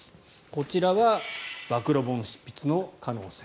こちらは暴露本執筆の可能性。